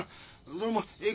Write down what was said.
それもうええ